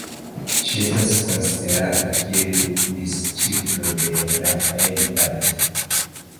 Ŝi estas konsiderata kiel disĉiplo de Rafael Barrett.